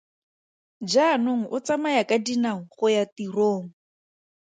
Jaanong o tsamaya ka dinao go ya tirong.